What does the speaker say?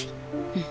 うん。